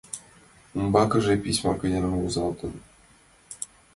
Умбакыже письма каньылын возалтын.